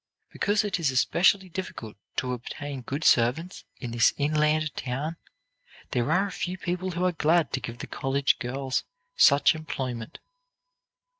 Because it is especially difficult to obtain good servants in this inland town, there are a few people who are glad to give the college girls such employment."